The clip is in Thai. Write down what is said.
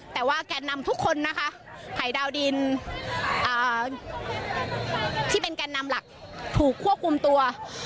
แต่ว่าแกนนำทุกคนนะคะภัยดาวดินที่เป็นแกนนำหลักถูกควบคุมตัว